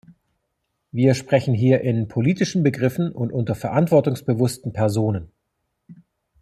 Wir sprechen hier in politischen Begriffen und unter verantwortungsbewussten Personen.